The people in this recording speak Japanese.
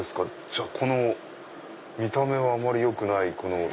じゃあこの見た目はよくない。